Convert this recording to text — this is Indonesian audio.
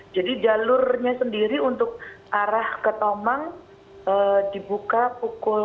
jadi jalurnya sendiri untuk arah ke tomang dibuka pukul tiga sembilan belas